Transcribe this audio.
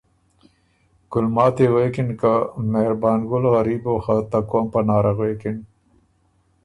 ګُلماتی غوېکِن که ”مهربان ګُل غریب بُو خه ته قوم پناره غوېکِن